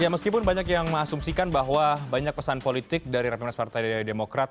ya meskipun banyak yang mengasumsikan bahwa banyak pesan politik dari rakyat peminas partai demokrat